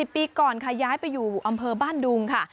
ปีก่อนค่ะย้ายไปอยู่อำเภอบ้านดุงค่ะ